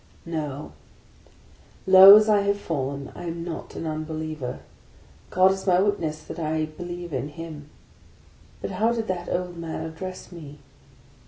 No! low as I have fallen, I am not an unbeliever. God is my witness that I believe in Him. But how did that old man address me?